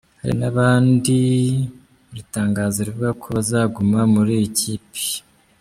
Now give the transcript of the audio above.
Hari n’abandi iri tangazo rivuga ko bazaguma muri iyi kipe.